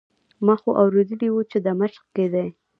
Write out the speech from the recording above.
ما خو اورېدلي وو چې د مشق کې دی.